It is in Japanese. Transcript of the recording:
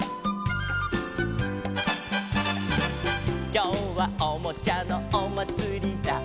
「きょうはおもちゃのおまつりだ」